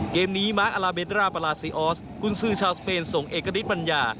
เกมนี้มาร์คอลาเบตราลาซีออสกุญซือชาวสเปนส่งเอกณิตปัญญา